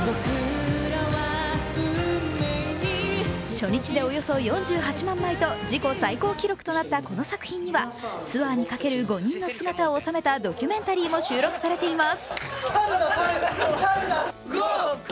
初日でおよそ４８万枚と自己最高記録となったこの作品にはツアーにかける５人の姿を収めたドキュメンタリーも収録されています。